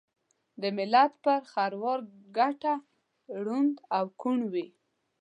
دملت پر خروار ګټه ړوند او کوڼ وي